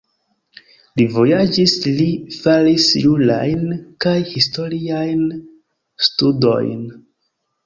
Li vojaĝis, li faris jurajn kaj historiajn studojn.